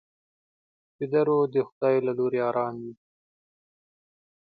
ویده روح د خدای له لوري ارام وي